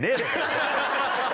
じゃあ。